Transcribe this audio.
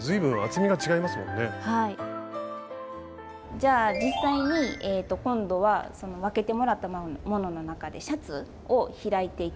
じゃあ実際に今度は分けてもらったものの中でシャツを開いていきます。